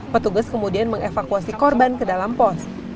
petugas kemudian mengevakuasi korban ke dalam pos